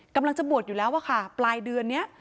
กำลังจะบวชอยู่แล้วอะค่ะปลายเดือนนี้